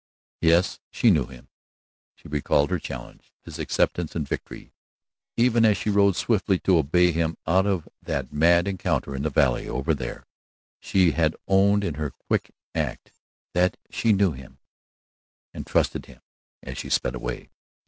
Yes, she knew him; she recalled her challenge, his acceptance and victory. Even as she rode swiftly to obey him out of that mad encounter in the valley over there, she had owned in her quick act that she knew him, and trusted him as she sped away.